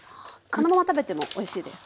このまま食べてもおいしいです。